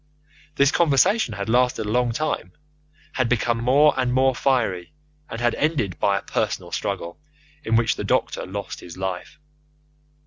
This conversation had lasted a long time, had become more and more fiery, and had ended by a personal struggle, in which the doctor lost his life.